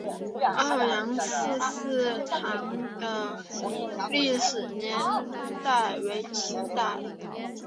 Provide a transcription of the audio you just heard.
欧阳氏祠堂的历史年代为清代。